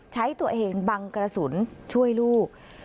ใช้ตัวเองบังกระสุนช่วยลูก